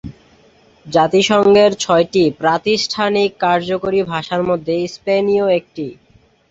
জাতিসংঘের ছয়টি প্রাতিষ্ঠানিক কার্যকরী ভাষার মধ্যে স্পেনীয় একটি।